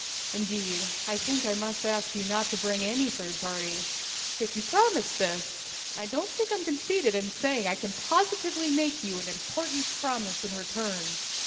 Indeed, I think I must ask you not to bring in any third party. If you promise this, I don't think I'm conceited in saying I can positively make you an important promise in return.